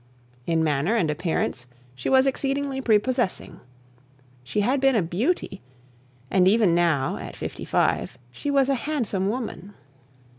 In manner and appearance she was exceedingly prepossessing. She had been a beauty, and even now, at fifty five, she was a handsome woman.